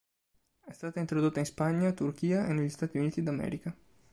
È stata introdotta in Spagna, Turchia e negli Stati Uniti d'America.